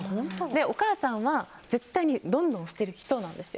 お母さんは絶対にどんどん捨てる人なんです。